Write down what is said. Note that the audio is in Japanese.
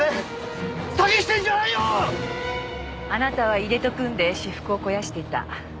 あなたは井出と組んで私腹を肥やしていた。